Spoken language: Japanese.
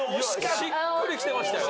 しっくりきてましたよ。